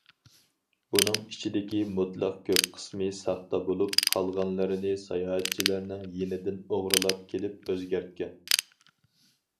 بۇنىڭ ئىچىدىكى مۇتلەق كۆپ قىسمى ساختا بولۇپ، قالغانلىرىنى ساياھەتچىلەرنىڭ يېنىدىن ئوغرىلاپ كېلىپ ئۆزگەرتكەن.